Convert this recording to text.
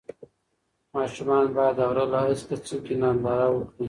ماشومان باید د غره له هسکې څوکې ننداره وکړي.